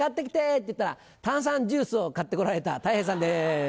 って言ったら炭酸ジュースを買って来られたたい平さんです。